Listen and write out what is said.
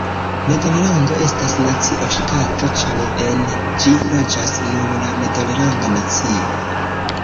Nederlando estas nacio-ŝtato ĉar en ĝi loĝas nur la nederlanda nacio.